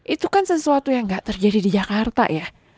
itu kan sesuatu yang nggak terjadi di jakarta ya